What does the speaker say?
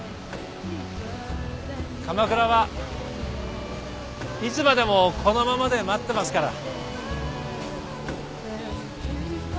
鎌倉はいつまでもこのままで待ってますから。